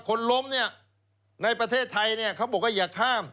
คนล้มในประเทศไทยเขาบอกว่าอย่าข้าม